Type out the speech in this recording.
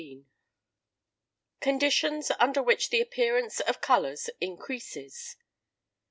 XIV. CONDITIONS UNDER WHICH THE APPEARANCE OF COLOUR INCREASES.